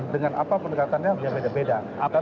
dengan apa pendekatannya yang beda beda